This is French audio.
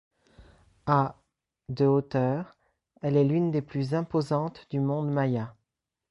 À de hauteur, elle est l'une des plus imposantes du monde maya.